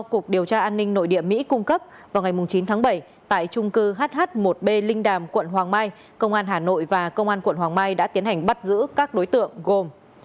cục điều tra an ninh nội địa mỹ cung cấp vào ngày chín tháng bảy tại trung cư hh một b linh đàm quận hoàng mai công an hà nội và công an quận hoàng mai đã tiến hành bắt giữ các đối tượng gồm